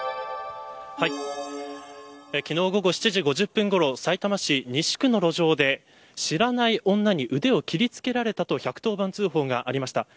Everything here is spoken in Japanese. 昨日午後７時５０分ごろさいたま市西区の路上で知らない女に腕を切りつけられたと１１０番通報がありました。